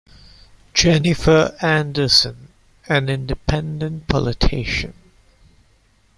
Jennifer Anderson, an independent politician.